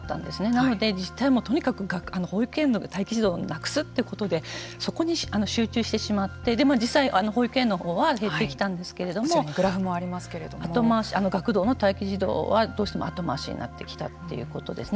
なので、とにかく保育園の待機児童をなくすということでそこに集中してしまってでも実際、保育園のほうは減ってきたんですけれども学童の待機児童はどうしても後回しになってきたということですね。